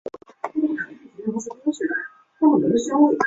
安定门站是北京环城铁路的车站。